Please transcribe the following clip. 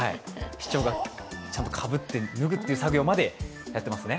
市長がちゃんとかぶって脱ぐっていう作業までやってますね。